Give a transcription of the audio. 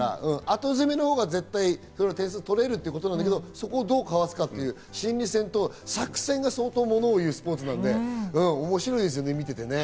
後攻めのほうが絶対、点数を取れるということだけど、それをどうかわすか、心理戦と作戦が相当ものをいうスポーツなので、面白いですよね、見ていて。